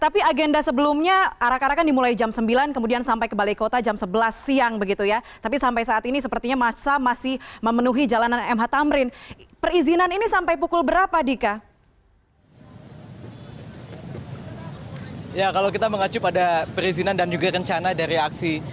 pada hari ini saya akan menunjukkan kepada anda